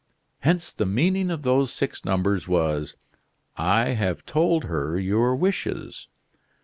Hence, the meaning of those six numbers was: "I have told her your wishes."